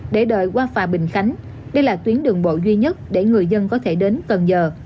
để đời qua phà bình khánh đây là tuyến đường bộ duy nhất để người dân có thể đến cần giờ